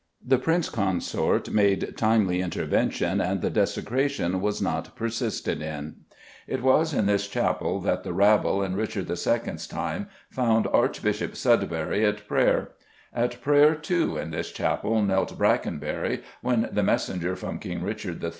The Prince Consort made timely intervention and the desecration was not persisted in. It was in this chapel that the rabble in Richard II.'s time found Archbishop Sudbury at prayer; at prayer, too, in this chapel, knelt Brackenbury when the messenger from King Richard III.